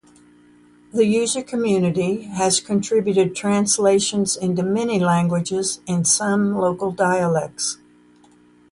The user community has contributed translations into many languages and some local dialects.